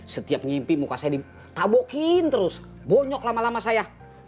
setiap ngimpi muka saya ditabukin terus bonyok lama lama saya